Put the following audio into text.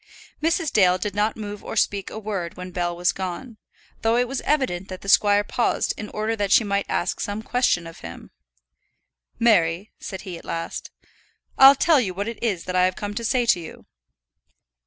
Mrs. Dale did not move or speak a word when Bell was gone, though it was evident that the squire paused in order that she might ask some question of him. "Mary," said he, at last, "I'll tell you what it is that I have come to say to you."